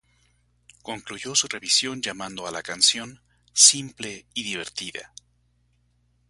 Concluyó su revisión llamando a la canción "simple y divertida".